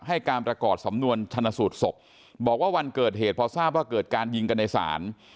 ให้การประกอบสำนวนชนะสูตรศพบอกว่าวันเกิดเหตุพอทราบว่าเกิดการยิงกันในศาล